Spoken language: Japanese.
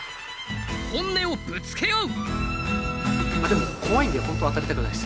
本音をぶつけ合う。